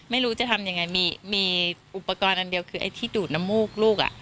ไม่รู้จะทำยังไงมีอุปกรณ์อันเดียวคือไอ้ที่ดูดน้ำมูกลูก